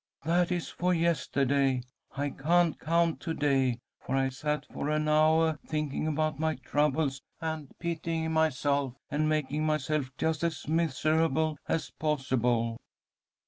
"That is for yestahday. I can't count to day, for I sat for an houah thinking about my troubles and pitying myself and making myself just as misahable as possible."